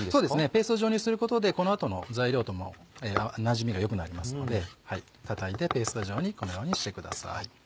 ペースト状にすることでこの後の材料ともなじみが良くなりますのでたたいてペースト状にこのようにしてください。